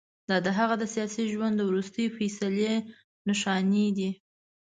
دا د هغه د سیاسي ژوند د وروستۍ فیصلې نښانې دي.